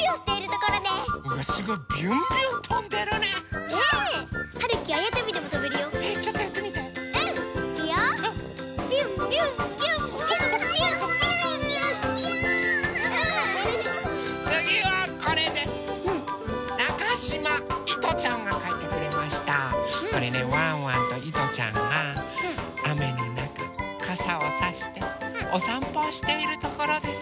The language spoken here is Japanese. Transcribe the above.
これねワンワンといとちゃんがあめのなかかさをさしておさんぽをしているところです。